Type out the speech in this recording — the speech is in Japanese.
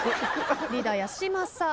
リーダー八嶋さん。